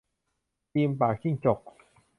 คีมปากจิ้งจก